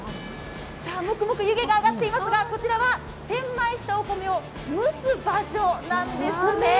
もくもく湯気が上がっていますが、こちらちはばい煎したお米を蒸す場所なんですね。